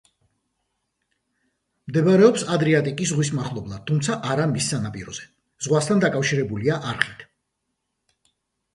მდებარეობს ადრიატიკის ზღვის მახლობლად, თუმცა არა მის სანაპიროზე, ზღვასთან დაკავშირებულია არხით.